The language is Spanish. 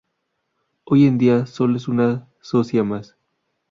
Hoy en día, solo es una socia más.